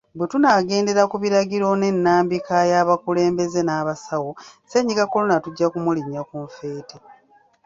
Bwe tunaagendera ku biragiro n'ennambika y'abakulembeze n'abasawo, ssennyiga kolona tujja kumulinnya ku nfeete.